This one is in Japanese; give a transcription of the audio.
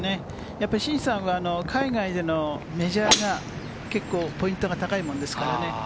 やっぱりシンさんは海外でのメジャーが結構ポイントが高いものですからね。